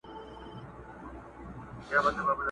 له اغيار سره يې كړي پيوندونه!!